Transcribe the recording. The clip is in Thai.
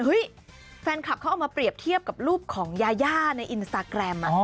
แฟนคลับเขาเอามาเปรียบเทียบกับรูปของยาย่าในอินสตาแกรม